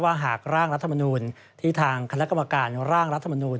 หากร่างรัฐมนูลที่ทางคณะกรรมการร่างรัฐมนูล